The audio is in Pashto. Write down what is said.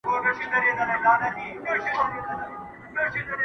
ما یې د جلال او د جمال نښي لیدلي دي،